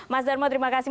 mas darmu terima kasih